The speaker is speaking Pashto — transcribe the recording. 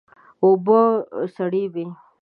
اوبه سړې وې.